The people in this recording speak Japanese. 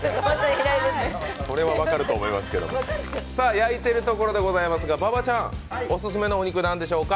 それは分かると思いますけど、焼いてるところですが馬場ちゃんオススメなんですか？